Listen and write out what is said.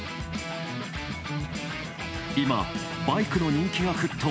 今、バイクの人気が沸騰。